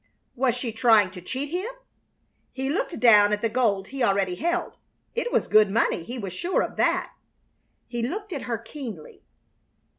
Was she trying to cheat him? He looked down at the gold he already held. It was good money. He was sure of that. He looked at her keenly.